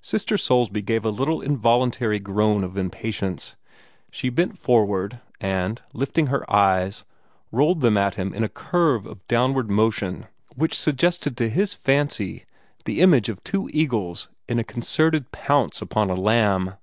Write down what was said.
Sister Soulsby gave a little involuntary groan of impatience. She bent forward, and, lifting her eyes, rolled them at him in a curve of downward motion which suggested to his fancy the image of two eagles in a concerted pounce upon a lamb.